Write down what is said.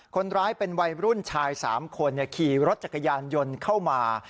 คนร้ายเป็นวัยรุ่นชาย๓คนขี่รถจักรยานยนต์เข้ามา